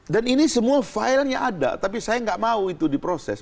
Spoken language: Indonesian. ini semua filenya ada tapi saya nggak mau itu diproses